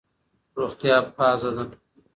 روغتیا پازه ده.